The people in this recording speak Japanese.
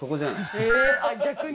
逆に。